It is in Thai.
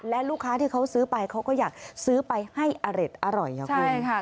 และลูกค้าที่เขาซื้อไปเขาก็อยากซื้อไปให้อร่อยค่ะคุณ